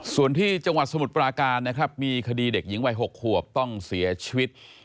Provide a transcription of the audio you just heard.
ส่วนที่จังหวัดสมุทรปราการนะครับมีคดีเด็กหญิงวัย๖ขวบต้องเสียชีวิต